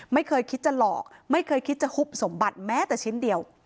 ไม่เคยคิดจะหลอกไม่เคยคิดจะฮุบสมบัติแม้แต่ชิ้นเดียว